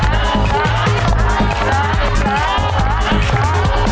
สวัสดีครับสวัสดีครับ